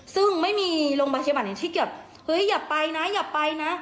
ซึ่งไม่มีโรงพยาบาลไหนที่เกือบเฮ้ยอย่าไปนะอย่าไปนะ